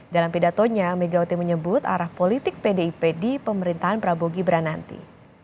dalam pidatonya megawati menyebut arah politik pdi pdi pemerintahan prabowo gibrananti